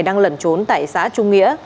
đang lẩn trốn tại xã trung nghĩa